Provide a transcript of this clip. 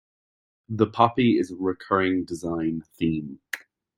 The poppy is a recurring design theme.